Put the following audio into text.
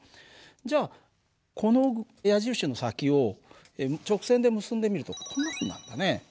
じゃあこの矢印の先を直線で結んでみるとこんなふうになるんだね。